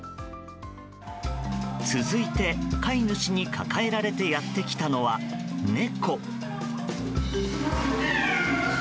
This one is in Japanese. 続いて、飼い主に抱えられてやってきたのは猫。